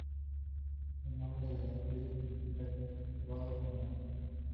El nombre de la especie significa "dientes curvados" en latín.